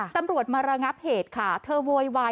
ตำรวจมาระงับเหตุค่ะเธอโวยวาย